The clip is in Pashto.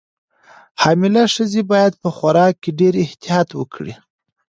حامله ښځې باید په خوراک کې ډېر احتیاط وکړي.